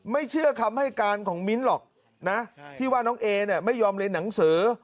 เชื่อคำให้การของมิ้นหรอกนะที่ว่าน้องเอเนี่ยไม่ยอมเรียนหนังสือ